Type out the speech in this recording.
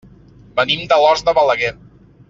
Venim d'Alòs de Balaguer.